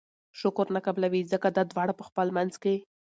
شکر نه قبلوي!! ځکه دا دواړه په خپل منځ کي